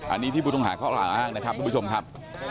อันนี้ที่ผู้ต้องหาเขากล่าวอ้างนะครับทุกผู้ชมครับ